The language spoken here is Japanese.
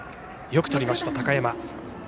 よくとりました、高山。